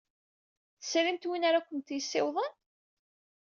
Tesrimt win ara kemt-yessiwḍen?